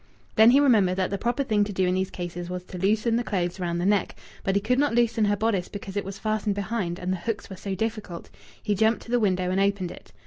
Then he remembered that the proper thing to do in these cases was to loosen the clothes round the neck; but he could not loosen her bodice because it was fastened behind and the hooks were so difficult. He jumped to the window and opened it.